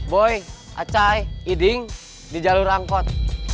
boy acay iding di jalur angkot